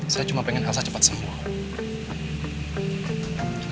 saya cuma pengen elsa cepat semua